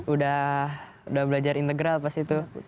udah belajar integral pas itu